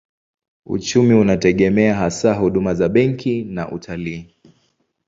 Uchumi unategemea hasa huduma za benki na utalii.